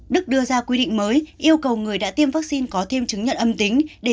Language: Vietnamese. đức đưa ra quy định mới yêu cầu người đã tiêm vaccine có thêm chứng nhận âm tính